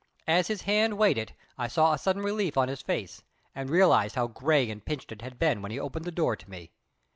As his hand weighed it I saw a sudden relief on his face, and realized how grey and pinched it had been when he opened the door to me.